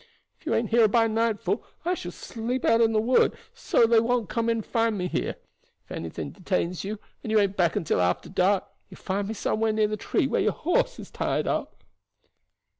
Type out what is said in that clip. If you ain't here by nightfall I shall sleep out in the wood, so if they come they won't find me here. If anything detains you, and you ain't back till after dark, you will find me somewhere near the tree where your horse is tied up."